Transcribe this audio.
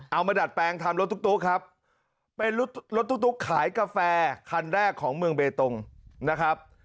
มาดัดแปลงทำรถตุ๊กครับเป็นรถตุ๊กขายกาแฟคันแรกของเมืองเบตงนะครับ